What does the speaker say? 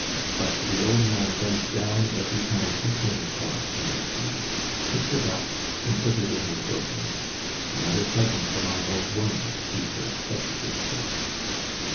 But the old man bent down every time he came across a mushroom, picked it up and put it in his bosom. "Another present for my old woman," he said as he did so.